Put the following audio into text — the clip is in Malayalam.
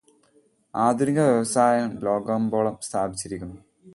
ആധുനികവ്യവസായം ലോകകമ്പോളം സ്ഥാപിച്ചിരിക്കുന്നു.